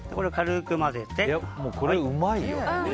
これ、もううまいよ。